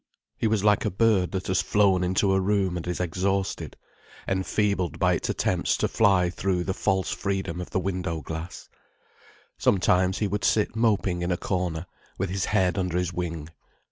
He was like a bird that has flown into a room and is exhausted, enfeebled by its attempts to fly through the false freedom of the window glass. Sometimes he would sit moping in a corner, with his head under his wing.